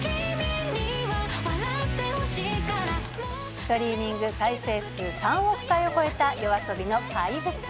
ストリーミング再生数３億回を超えたＹＯＡＳＯＢＩの怪物。